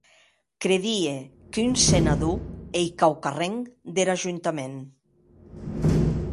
Credie qu’un senador ei quauquarren der Ajuntament.